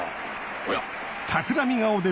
おや？